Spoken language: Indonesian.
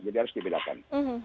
jadi harus dibedakan